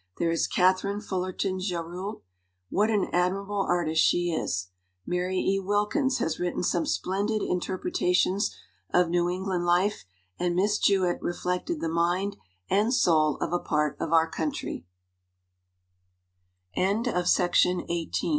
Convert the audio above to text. There is Katharine Fullerton Gerould. What an admi rable artist she is ! Mary E. Wilkins has written some splendid interpretations of New England life, and Miss Jewett reflected the mind and soul of a part of o